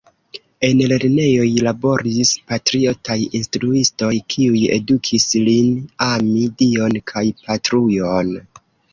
En lernejoj laboris patriotaj instruistoj, kiuj edukis lin ami Dion kaj Patrujon.